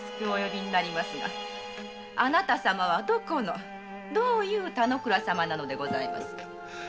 お呼びになりますがあなた様はどこのどういう田之倉様なのでございますか？